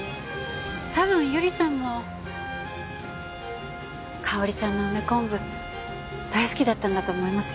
多分百合さんも香織さんの梅昆布大好きだったんだと思いますよ。